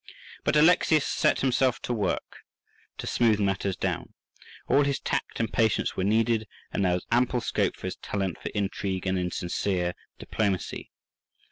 But Alexius set himself to work to smooth matters down; all his tact and patience were needed, and there was ample scope for his talent for intrigue and insincere diplomacy.